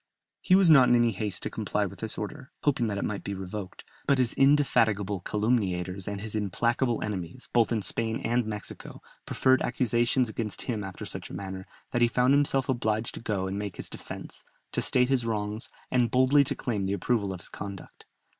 He was not in any haste to comply with this order, hoping that it might be revoked, but his indefatigable calumniators and his implacable enemies, both in Spain and Mexico, preferred accusations against him after such a manner, that he found himself obliged to go and make his defence, to state his wrongs, and boldly to claim the approval of his conduct.